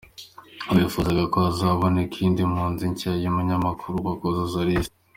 Bifuzaga ko haboneka iyindi mpunzi nshya y’umunyamakuru, bakuzuza liste.